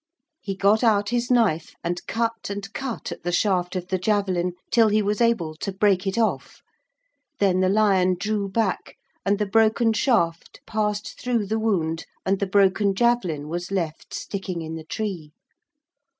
He got out his knife and cut and cut at the shaft of the javelin till he was able to break it off. Then the lion drew back and the broken shaft passed through the wound and the broken javelin was left sticking in the tree.